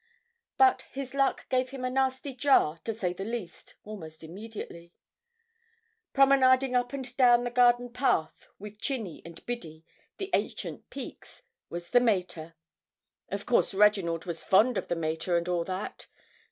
But his luck gave him a nasty jar, to say the least, almost immediately. Promenading up and down the garden path with Chinny and Biddy, the ancient Pekes, was the mater. Of course Reginald was fond of the mater and all that.